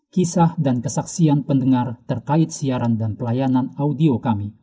kisah dan kesaksian pendengar terkait siaran dan pelayanan audio kami